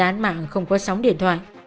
án mạng không có sóng điện thoại